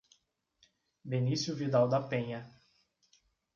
Benicio Vidal da Penha